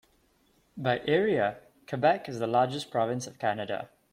By area, Quebec is the largest province of Canada.